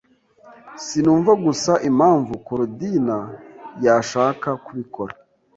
Sinumva gusa impamvu Korodina yashaka kubikora.